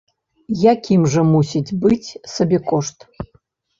Якім жа мусіць быць сабекошт?